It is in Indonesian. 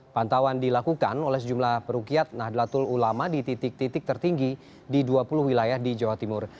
pantauan dilakukan oleh sejumlah perukiat nahdlatul ulama di titik titik tertinggi di dua puluh wilayah di jawa timur